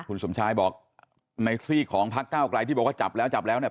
คุณสมชายบอกในซีกของพักเก้าไกลที่บอกว่าจับแล้วจับแล้วเนี่ย